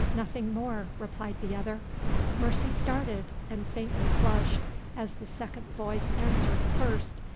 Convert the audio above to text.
"Nothing more," replied the other. Mercy started, and faintly flushed, as the second voice answered the first.